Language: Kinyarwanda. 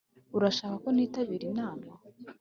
urashaka ko ntitabira inama?